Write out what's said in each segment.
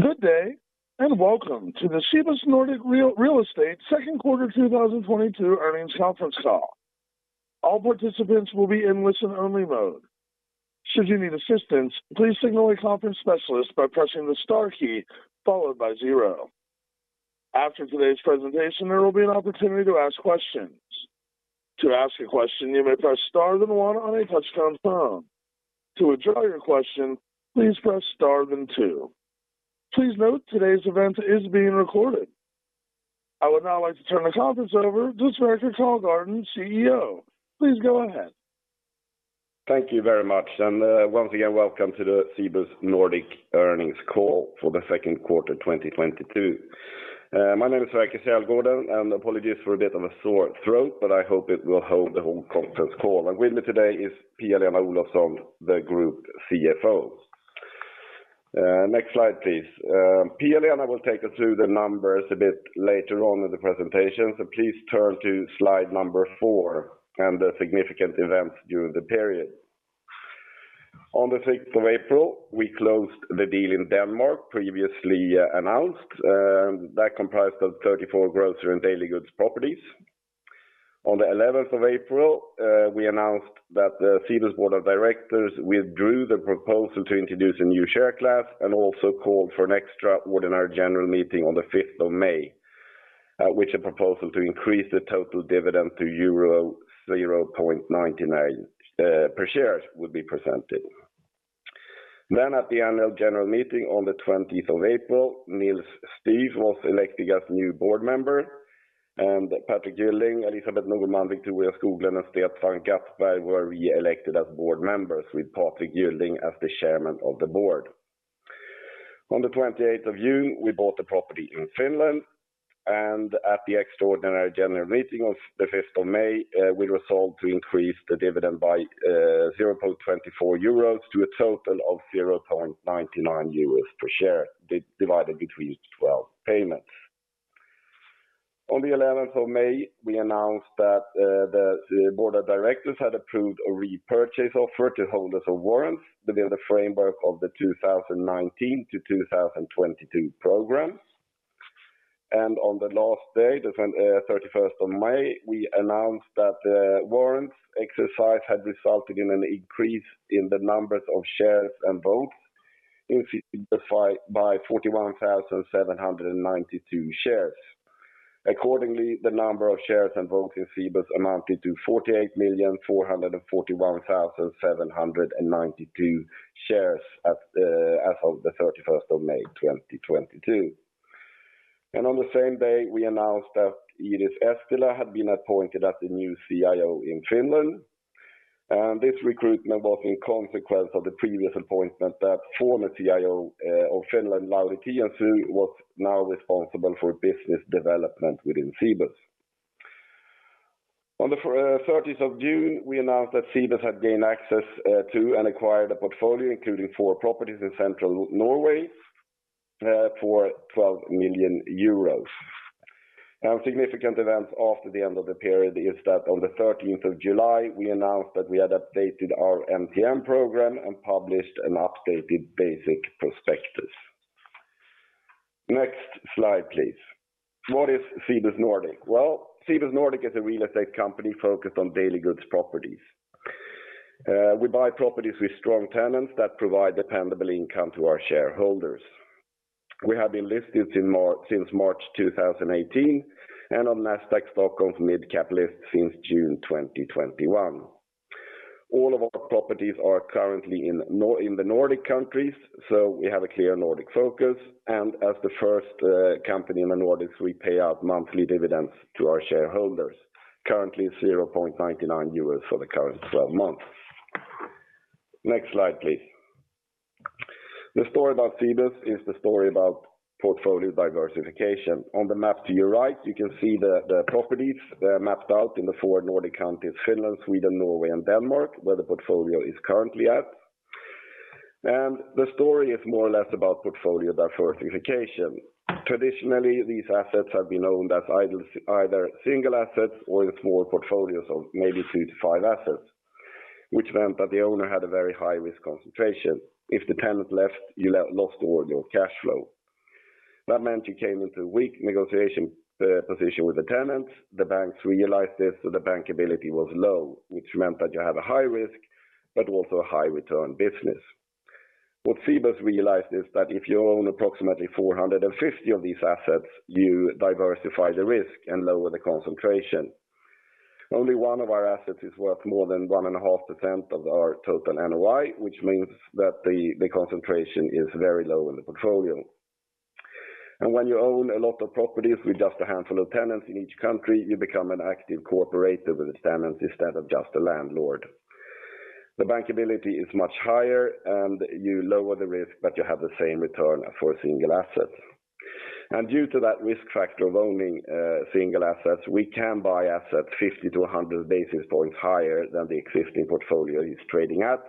Good day, and welcome to the Cibus Nordic Real Estate second quarter 2022 earnings conference call. All participants will be in listen-only mode. Should you need assistance, please signal a conference specialist by pressing the star key followed by zero. After today's presentation, there will be an opportunity to ask questions. To ask a question, you may press star then one on a touch-tone phone. To withdraw your question, please press star then two. Please note today's event is being recorded. I would now like to turn the conference over to Sverker Källgården, CEO. Please go ahead. Thank you very much. Once again, welcome to the Cibus Nordic earnings call for the second quarter 2022. My name is Sverker Källgården, and apologies for a bit of a sore throat, but I hope it will hold the whole conference call. With me today is Pia-Lena Olofsson, the group CFO. Next slide, please. Pia-Lena will take us through the numbers a bit later on in the presentation. Please turn to slide number 4 and the significant events during the period. On the 6th of April, we closed the deal in Denmark, previously announced, that comprised of 34 grocery and daily goods properties. On the 11th of April, we announced that the Cibus board of directors withdrew the proposal to introduce a new share class and also called for an extraordinary general meeting on the 5th of May, at which a proposal to increase the total dividend to euro 0.99 per share would be presented. At the annual general meeting on the 20th of April, Nils Styf was elected as new board member. Patrick Gylling, Elisabeth Norman, Victoria Skoglund, and Sverker Gattberg were re-elected as board members, with Patrick Gylling as the chairman of the board. On the 28th of June, we bought a property in Finland, and at the extraordinary general meeting on the 5th of May, we resolved to increase the dividend by 0.24 euros to a total of 0.99 euros per share divided between 12 payments. On the 11th of May, we announced that the board of directors had approved a repurchase offer to holders of warrants within the framework of the 2019 to 2022 programs. On the last day, the 31st of May, we announced that the warrants exercise had resulted in an increase in the numbers of shares and votes increased by 41,792 shares. Accordingly, the number of shares and votes in Cibus amounted to 48,441,792 shares as of the 31st of May 2022. On the same day, we announced that Iiris Eestilä had been appointed as the new CIO in Finland. This recruitment was in consequence of the previous appointment that former CIO of Finland, Lauri Tiensuu, was now responsible for business development within Cibus. On the 30th of June, we announced that Cibus had gained access to and acquired a portfolio including four properties in central Norway for 12 million euros. Now, significant events after the end of the period is that on the 13th of July, we announced that we had updated our MTN program and published an updated basic prospectus. Next slide, please. What is Cibus Nordic? Well, Cibus Nordic is a real estate company focused on daily goods properties. We buy properties with strong tenants that provide dependable income to our shareholders. We have been listed since March 2018 and on Nasdaq Stockholm's mid cap list since June 2021. All of our properties are currently in the Nordic countries, so we have a clear Nordic focus. As the first company in the Nordics, we pay out monthly dividends to our shareholders. Currently 0.99 euros for the current twelve months. Next slide, please. The story about Cibus is the story about portfolio diversification. On the map to your right, you can see the properties mapped out in the four Nordic countries, Finland, Sweden, Norway, and Denmark, where the portfolio is currently at. The story is more or less about portfolio diversification. Traditionally, these assets have been owned as either single assets or in small portfolios of maybe two to five assets, which meant that the owner had a very high-risk concentration. If the tenant left, you lost all your cash flow. That meant you came into a weak negotiation position with the tenants. The banks realized this, so the bankability was low, which meant that you have a high risk, but also a high return business. What Cibus realized is that if you own approximately 450 of these assets, you diversify the risk and lower the concentration. Only one of our assets is worth more than 1.5% of our total NOI, which means that the concentration is very low in the portfolio. When you own a lot of properties with just a handful of tenants in each country, you become an active corporator with the tenants instead of just a landlord. The bankability is much higher, and you lower the risk, but you have the same return for a single asset. Due to that risk factor of owning single assets, we can buy assets 50 basis points-100 basis points higher than the existing portfolio is trading at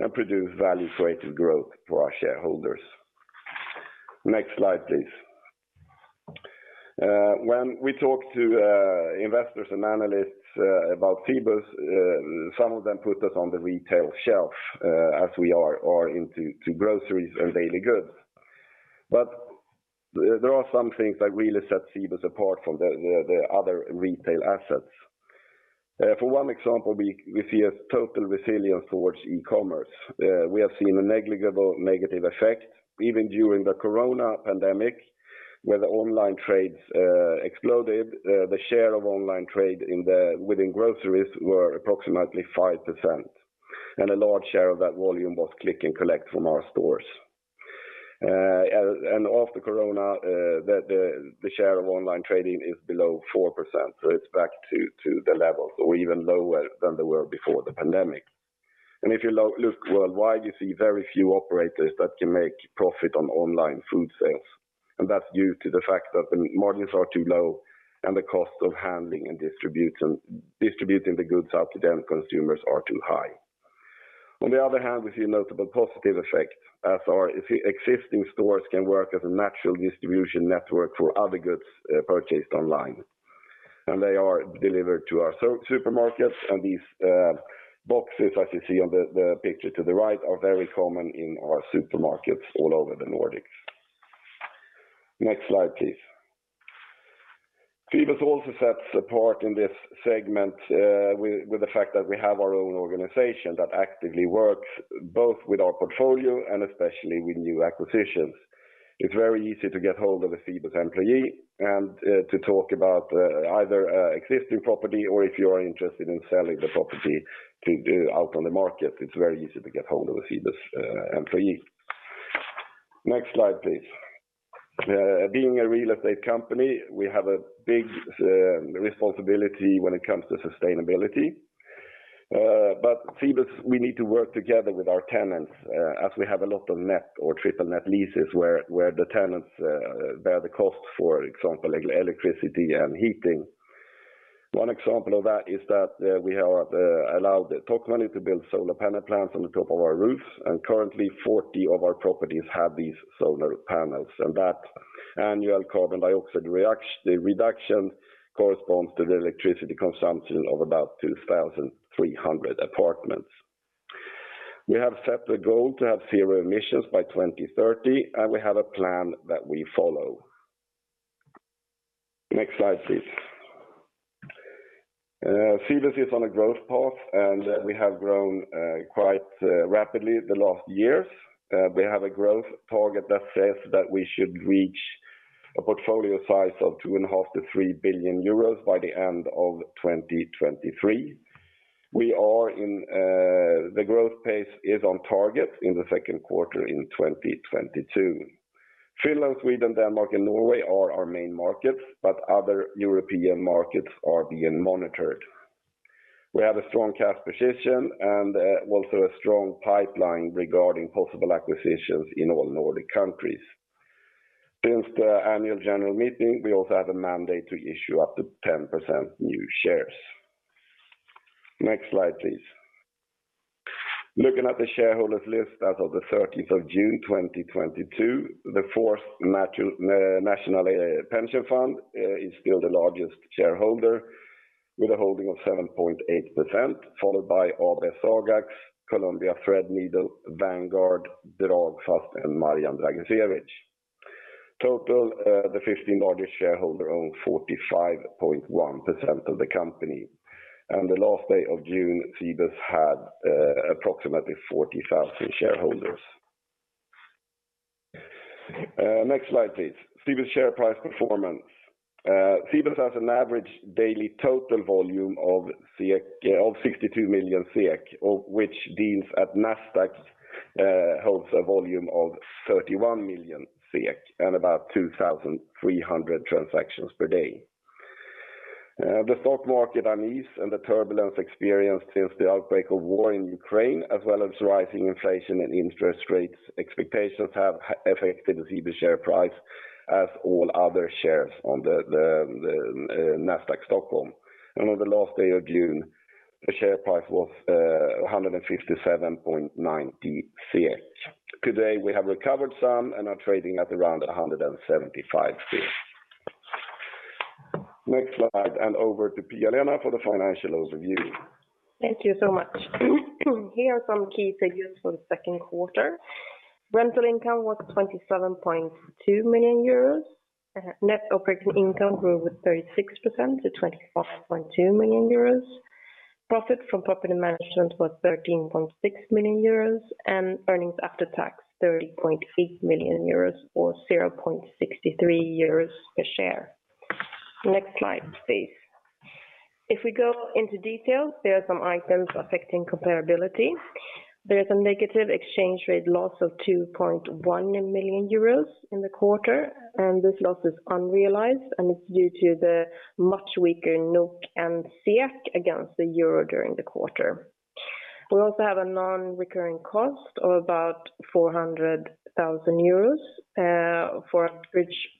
and produce value-weighted growth for our shareholders. Next slide, please. When we talk to investors and analysts about Cibus, some of them put us on the retail shelf, as we are into groceries and daily goods. But there are some things that really set Cibus apart from the other retail assets. For one example, we see a total resilience towards e-commerce. We have seen a negligible negative effect even during the Corona pandemic, where the online trades exploded. The share of online trade within groceries were approximately 5%, and a large share of that volume was click and collect from our stores. After Corona, the share of online trading is below 4%, so it's back to the levels or even lower than they were before the pandemic. If you look worldwide, you see very few operators that can make profit on online food sales, and that's due to the fact that the margins are too low and the cost of handling and distributing the goods out to the end consumers are too high. On the other hand, we see a notable positive effect as our existing stores can work as a natural distribution network for other goods purchased online. They are delivered to our supermarkets, and these boxes, as you see on the picture to the right, are very common in our supermarkets all over the Nordics. Next slide, please. Cibus also sets apart in this segment, with the fact that we have our own organization that actively works both with our portfolio and especially with new acquisitions. It's very easy to get hold of a Cibus employee and to talk about either an existing property or if you are interested in selling the property out on the market. It's very easy to get hold of a Cibus employee. Next slide, please. Being a real estate company, we have a big responsibility when it comes to sustainability. Cibus, we need to work together with our tenants, as we have a lot of net or triple net leases where the tenants bear the cost, for example, electricity and heating. One example of that is that, we have, allowed Tokmanni to build solar panel plants on the top of our roofs, and currently 40 of our properties have these solar panels. That annual carbon dioxide reduction corresponds to the electricity consumption of about 2,300 apartments. We have set the goal to have zero emissions by 2030, and we have a plan that we follow. Next slide, please. Cibus is on a growth path, and we have grown, quite, rapidly the last years. We have a growth target that says that we should reach a portfolio size of 2.5 billion-3 billion euros by the end of 2023. We are in, the growth pace is on target in the second quarter in 2022. Finland, Sweden, Denmark, and Norway are our main markets, but other European markets are being monitored. We have a strong cash position and also a strong pipeline regarding possible acquisitions in all Nordic countries. Since the annual general meeting, we also have a mandate to issue up to 10% new shares. Next slide, please. Looking at the shareholders list as of the 13th of June 2022, the Fourth Swedish National Pension Fund (AP4) is still the largest shareholder with a holding of 7.8%, followed by AB Sagax, Columbia Threadneedle, The Vanguard, Dragfast, and Marjan Dragicevic. Total, the 15 largest shareholders own 45.1% of the company. On the last day of June, Cibus had approximately 40,000 shareholders. Next slide, please. Cibus share price performance. Cibus has an average daily total volume of 62 million, of which deals at Nasdaq hold a volume of 31 million and about 2,300 transactions per day. The stock market unease and the turbulence experienced since the outbreak of war in Ukraine, as well as rising inflation and interest rates expectations have affected the Cibus share price as all other shares on the Nasdaq Stockholm. On the last day of June, the share price was 157.9 SEK. Today, we have recovered some and are trading at around 175 SEK. Next slide, over to Pia-Lena for the financial overview. Thank you so much. Here are some key figures for the second quarter. Rental income was 27.2 million euros. Net operating income grew with 36% to 21.2 million euros. Profit from property management was 13.6 million euros, and earnings after tax 30.8 million euros, or 0.63 euros per share. Next slide, please. If we go into details, there are some items affecting comparability. There is a negative exchange rate loss of 2.1 million euros in the quarter, and this loss is unrealized, and it's due to the much weaker NOK and SEK against the euro during the quarter. We also have a non-recurring cost of about 400,000 euros for a bridge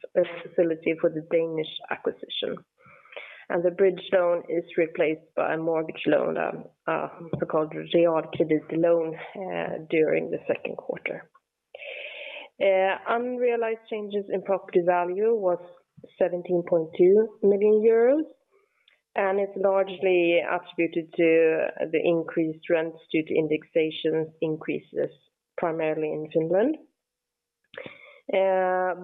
facility for the Danish acquisition. The bridge loan is replaced by a mortgage loan. Our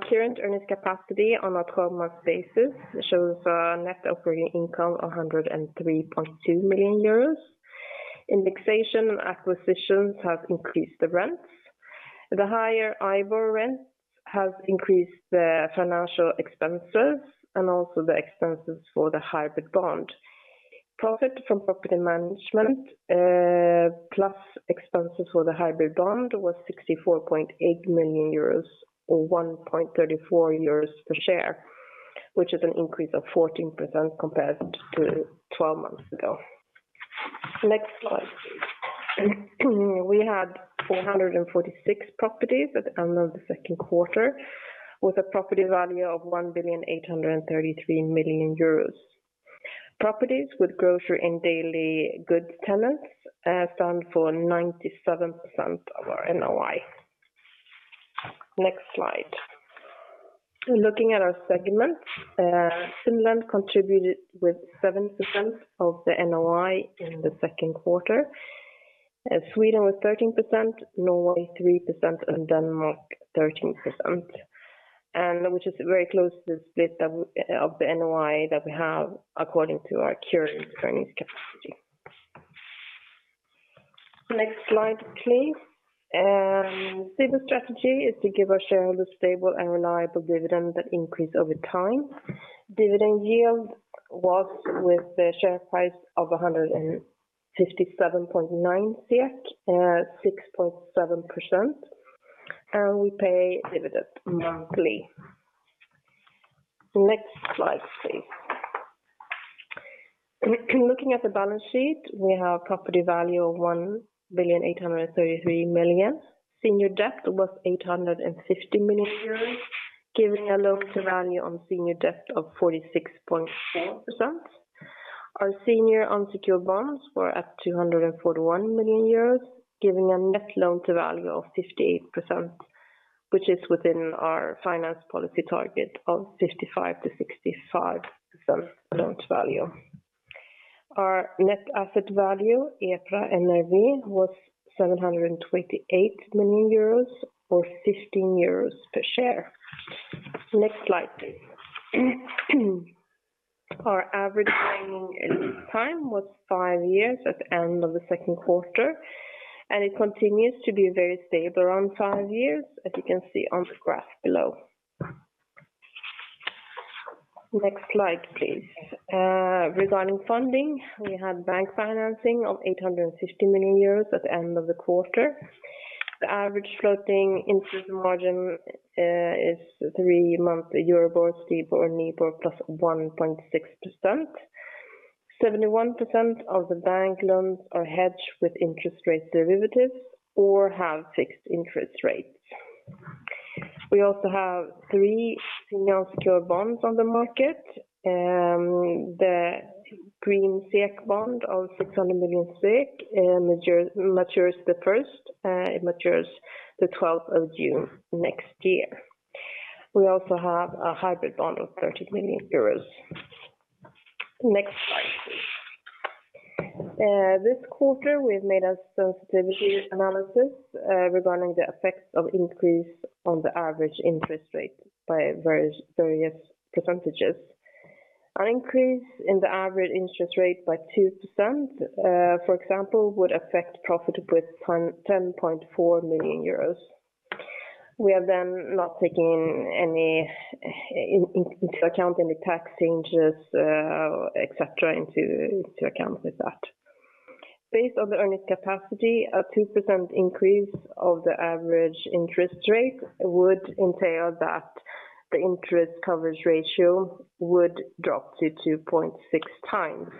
current earnings capacity on a 12-month basis shows net operating income 103.2 million euros. Indexation and acquisitions have increased the rents. The higher IBOR rates has increased the financial expenses and also the expenses for the hybrid bond. Profit from property management plus expenses for the hybrid bond was 64.8 million euros or 1.34 euros per share, which is an increase of 14% compared to 12 months ago. Next slide. We had 446 properties at the end of the second quarter, with a property value of 1.833 billion euros. Properties with grocery and daily goods tenants stand for 97% of our NOI. Next slide. Looking at our segments, Finland contributed with 7% of the NOI in the second quarter. Sweden was 13%, Norway 3%, and Denmark 13%. Which is very close to the split that of the NOI that we have according to our current earnings capacity. Next slide, please. Cibus's strategy is to give our shareholders stable and reliable dividend that increase over time. Dividend yield was with the share price of 157.9, 6.7%, and we pay dividend monthly. Next slide, please. Looking at the balance sheet, we have property value of 1,833 million. Senior debt was 850 million euros, giving a loan to value on senior debt of 46.4%. Our senior unsecured bonds were at 241 million euros, giving a net loan to value of 58%, which is within our finance policy target of 55%-65% loan to value. Our net asset value, EPRA NAV, was 728 million euros or 15 euros per share. Next slide, please. Our average remaining lease time was five years at the end of the second quarter, and it continues to be very stable around five years, as you can see on the graph below. Next slide, please. Regarding funding, we had bank financing of 850 million euros at the end of the quarter. The average floating interest margin is three-month Euribor, Libor, NIBOR +1.6%. 71% of the bank loans are hedged with interest rate derivatives or have fixed interest rates. We also have three senior secured bonds on the market. The green SEK bond of 600 million matures the 12th of June next year. We also have a hybrid bond of 30 million euros. Next slide, please. This quarter, we've made a sensitivity analysis regarding the effects of increase on the average interest rate by various percentages. An increase in the average interest rate by 2%, for example, would affect profit with 10.4 million euros. We have then not taken any tax changes, et cetera, into account with that. Based on the earnings capacity, a 2% increase of the average interest rate would entail that the interest coverage ratio would drop to 2.6x.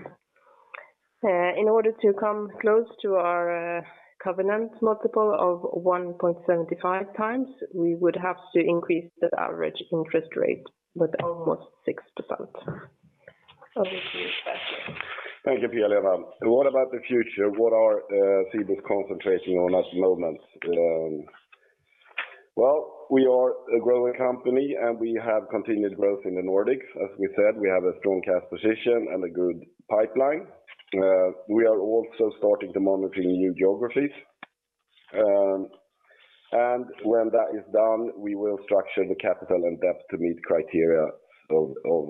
In order to come close to our covenant multiple of 1.75x, we would have to increase the average interest rate with almost 6%. Over to you, Sverker. Thank you, Pia-Lena. What about the future? What is Cibus concentrating on at the moment? We are a growing company, and we have continued growth in the Nordics. As we said, we have a strong cash position and a good pipeline. We are also starting to monitor new geographies. When that is done, we will structure the capital and debt to meet criteria of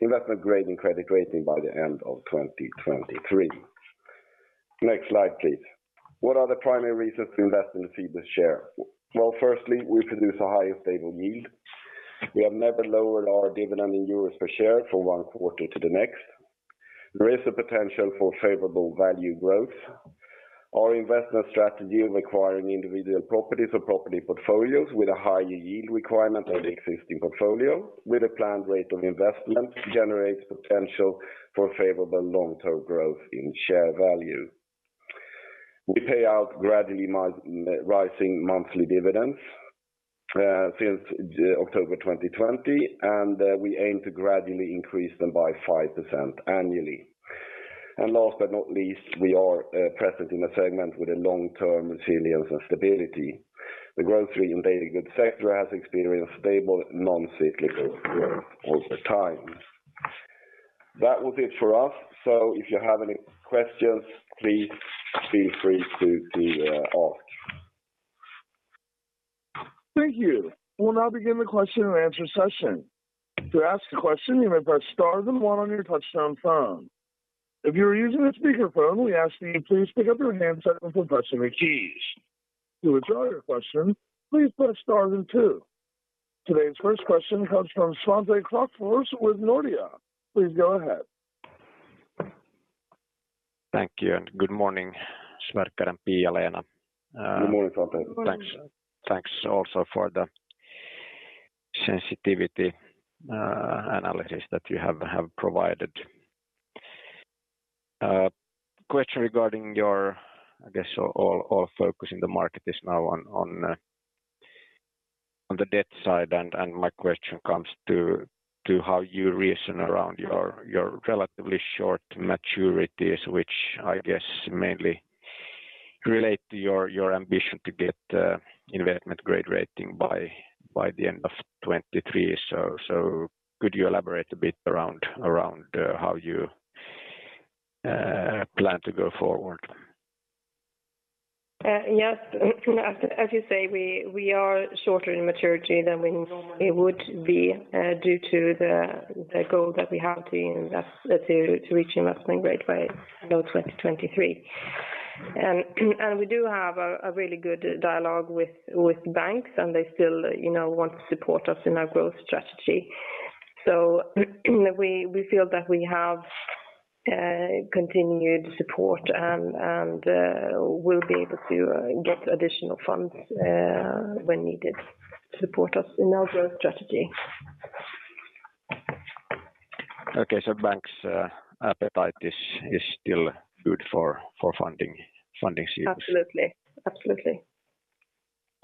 investment grade and credit rating by the end of 2023. Next slide, please. What are the primary reasons to invest in Cibus's share? Well, firstly, we produce a high stable yield. We have never lowered our dividend in euros per share from one quarter to the next. There is a potential for favorable value growth. Our investment strategy requiring individual properties or property portfolios with a higher yield requirement of the existing portfolio with a planned rate of investment generates potential for favorable long-term growth in share value. We pay out gradually rising monthly dividends since October 2020, and we aim to gradually increase them by 5% annually. Last but not least, we are present in a segment with a long-term resilience and stability. The grocery and daily goods sector has experienced stable non-cyclical growth over time. That was it for us. If you have any questions, please feel free to ask. Thank you. We'll now begin the question and answer session. To ask a question, you may press star then one on your touchtone phone. If you are using a speakerphone, we ask that you please pick up your handset before pressing the keys. To withdraw your question, please press star then two. Today's first question comes from Svante Krokfors with Nordea. Please go ahead. Thank you, and good morning, Sverker and Pia-Lena. Good morning, Svante. Good morning. Thanks. Thanks also for the sensitivity analysis that you have provided. Question regarding your. I guess all focus in the market is now on the debt side and my question comes to how you reason around your relatively short maturities, which I guess mainly relate to your ambition to get investment grade rating by the end of 2023. Could you elaborate a bit around how you plan to go forward? Yes. As you say, we are shorter in maturity than we normally would be due to the goal that we have to reach investment grade by end of 2023. We do have a really good dialogue with banks, and they still, you know, want to support us in our growth strategy. We feel that we have continued support and we'll be able to get additional funds when needed to support us in our growth strategy. Okay. Banks' appetite is still good for funding Cibus? Absolutely. Absolutely.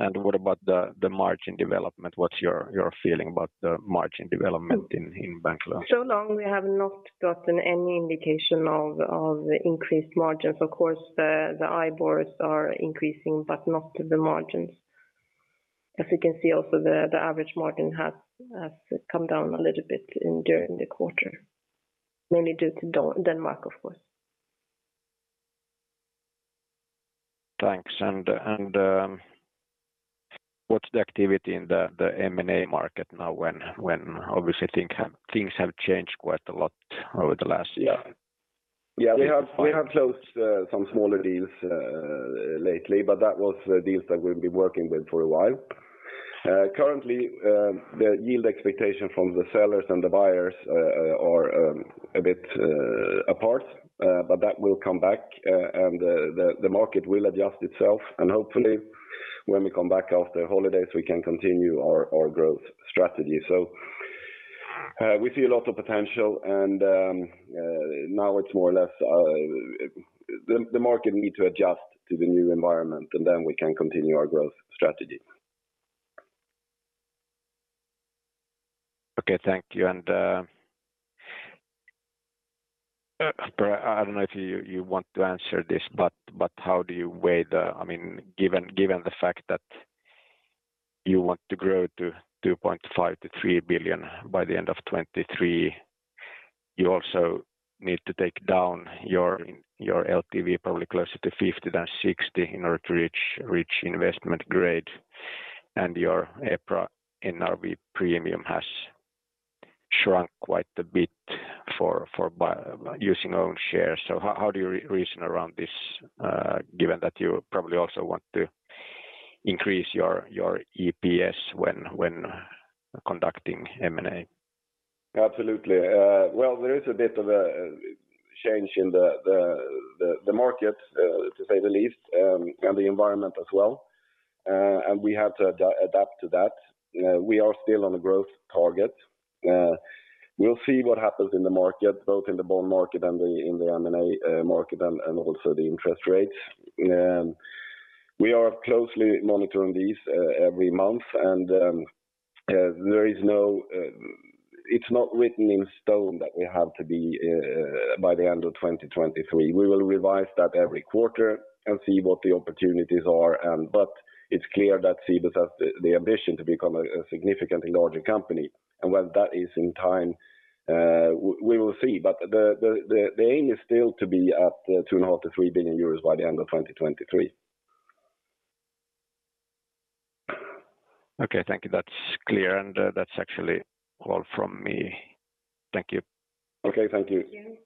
What about the margin development? What's your feeling about the margin development in Bankler? So far we have not gotten any indication of increased margins. Of course the IBORs are increasing, but not the margins. As you can see also the average margin has come down a little bit during the quarter, mainly due to Denmark, of course. Thanks. What's the activity in the M&A market now when obviously things have changed quite a lot over the last year? Yeah. We have closed some smaller deals lately, but that was deals that we've been working with for a while. Currently, the yield expectation from the sellers and the buyers are a bit apart, but that will come back and the market will adjust itself. Hopefully when we come back after holidays, we can continue our growth strategy. We see a lot of potential and now it's more or less the market need to adjust to the new environment, and then we can continue our growth strategy. Okay. Thank you. I don't know if you want to answer this, but how do you weigh the? I mean, given the fact that you want to grow to 2.5 billion-3 billion by the end of 2023, you also need to take down your LTV probably closer to 50 than 60 in order to reach investment grade. Your EPRA NRV premium has shrunk quite a bit for using own shares. So how do you reason around this, given that you probably also want to increase your EPS when conducting M&A? Absolutely. There is a bit of a change in the market, to say the least, and the environment as well. We have to adapt to that. We are still on the growth target. We'll see what happens in the market, both in the bond market and in the M&A market and also the interest rates. We are closely monitoring these every month. It's not written in stone that we have to be by the end of 2023. We will revise that every quarter and see what the opportunities are. It's clear that Cibus has the ambition to become a significantly larger company. When that is in time, we will see. The aim is still to be at 2.5 billion-3 billion euros by the end of 2023. Okay. Thank you. That's clear. That's actually all from me. Thank you. Okay. Thank you. Thank you.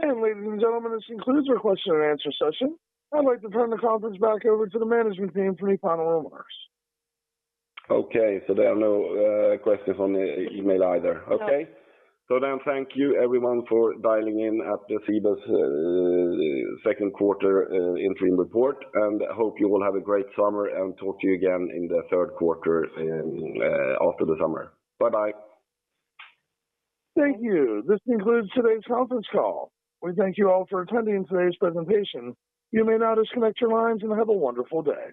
Ladies and gentlemen, this concludes our question and answer session. I'd like to turn the conference back over to the management team for any final remarks. Okay. There are no questions on the email either. No. Thank you everyone for dialing in at the Cibus second quarter interim report. I hope you will have a great summer and talk to you again in the third quarter after the summer. Bye-bye. Thank you. This concludes today's conference call. We thank you all for attending today's presentation. You may now disconnect your lines and have a wonderful day.